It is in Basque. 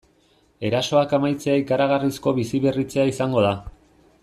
Erasoak amaitzea ikaragarrizko biziberritzea izango da.